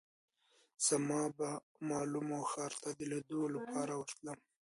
زه به مالمو ښار ته د لیدو لپاره ورتلم.